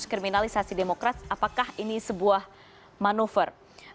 kriminalisasi demokrat apakah ini sebuah manuver